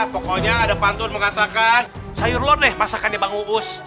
pokoknya ada pantun mengatakan sayur lo deh masakannya bang ustaz